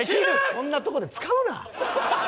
こんなとこで使うな。